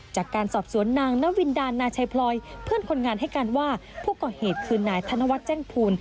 จากการสอบสวนนางนวินดานาชัยพลอยเพื่อนคนงานให้การว่าผู้ก่อเหตุคือนายธนวัฒน์แจ้งภูล